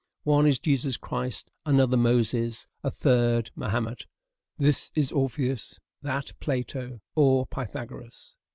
One is Jesus Christ, another Moses, a third Mahomet; this is Orpheus, that Plato, or Pythagoras.